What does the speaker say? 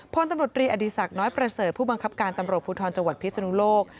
พลตำรวจรีอดีศักดิ์น้อยประเสริฐผู้บังคับการตำรวจภูทรจังหวัดพิศนุโลก